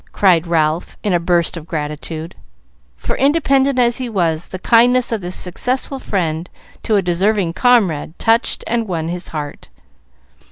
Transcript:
cried Ralph, in a burst of gratitude; for, independent as he was, the kindness of this successful friend to a deserving comrade touched and won his heart.